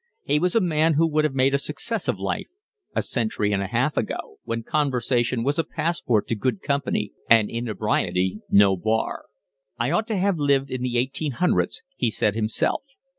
He was a man who would have made a success of life a century and a half ago when conversation was a passport to good company and inebriety no bar. "I ought to have lived in the eighteen hundreds," he said himself.